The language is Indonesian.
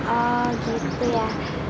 oh gitu ya